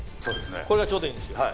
これがちょうどいいんですよ。